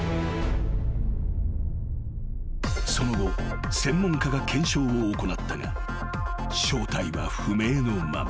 ［その後専門家が検証を行ったが正体は不明のまま］